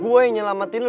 gue yang nyelamatin lo